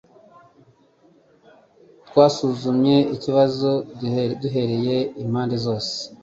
Twasuzumye ikibazo duhereye impande zose.